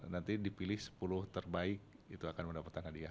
nanti dipilih sepuluh terbaik itu akan mendapatkan hadiah